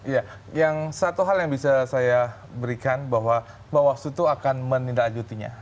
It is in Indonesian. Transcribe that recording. ya yang satu hal yang bisa saya berikan bahwa bawaslu itu akan menindaklanjutinya